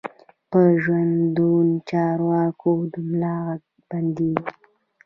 په ژوندو چارواکو د ملا غږ بندېږي.